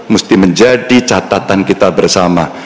mesti menjadi catatan kita bersama